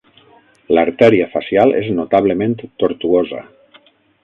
L'artèria facial és notablement tortuosa.